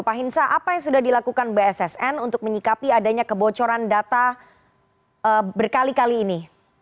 pak hinsa apa yang sudah dilakukan bssn untuk menyikapi adanya kebocoran data berkali kali ini